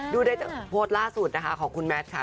ดูได้จากโพสต์ล่าสุดนะคะของคุณแมทค่ะ